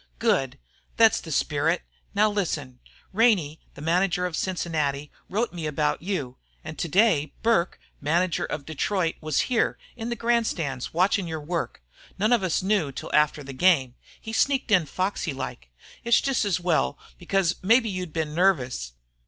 "Good! Thet's the spirit. Now listen. Ranney, the manager of Cincinnati, wrote me about you, an' today Burke, manager of Detroit, was here, in the grandstand watchin' your work. None of us knew it till after the game. He sneaked in foxy like. It's jest as well, because mebbe you 'd been nervous.